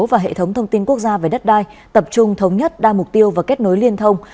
và hệ thống thông tin quốc gia về đất đai tập trung thống nhất đa mục tiêu và kết nối liên thông